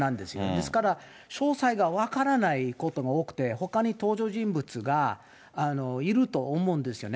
ですから、詳細が分からないことが多くて、ほかに登場人物がいると思うんですよね。